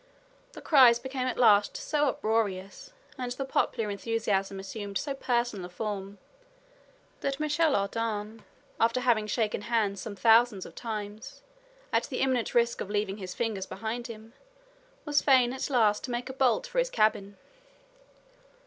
The cries became at last so uproarious, and the popular enthusiasm assumed so personal a form, that Michel Ardan, after having shaken hands some thousands of times, at the imminent risk of leaving his fingers behind him, was fain at last to make a bolt for his cabin.